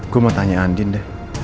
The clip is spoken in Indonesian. gue mau tanya andin deh